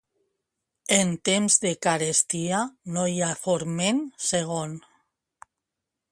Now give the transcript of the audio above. En temps de carestia no hi ha forment segon.